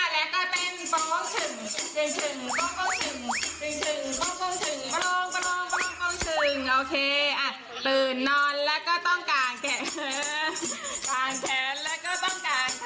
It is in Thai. หยุดจึงเจ็ง